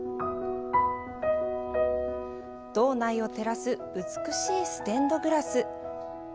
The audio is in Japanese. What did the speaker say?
堂内を照らす美しいステンドグラス。